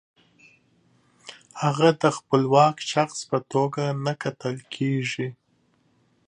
هغې ته د خپلواک شخص په توګه نه کتل کیږي.